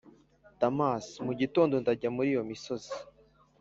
damas, mugitondo ndajya muriyo misozi